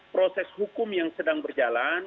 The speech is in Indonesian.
proses hukum yang sedang berjalan